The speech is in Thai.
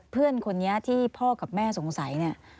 เพื่อนคนนี้ที่พ่อกับแม่สงสัยเนี่ย